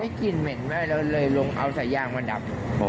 ได้กินเหม็นไหม้เลยเอาสายยางมาดับ